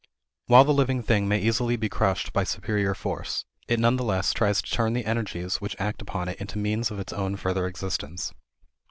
While the living thing may easily be crushed by superior force, it none the less tries to turn the energies which act upon it into means of its own further existence.